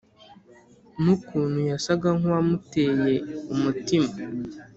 nukuntu yasaga nkuwamuteye umutima